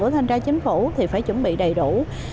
thanh tra chính phủ thì phải chuẩn bị đầy đủ